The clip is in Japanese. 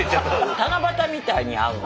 七夕みたいに会うの。